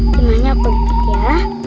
timahnya apa gitu ya